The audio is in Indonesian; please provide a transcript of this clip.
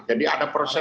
jadi ada proses